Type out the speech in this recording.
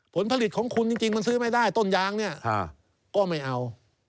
ผลผลิตของคุณจริงมันซื้อไม่ได้ต้นยางเนี่ยก็ไม่เอา